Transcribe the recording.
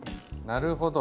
なるほど。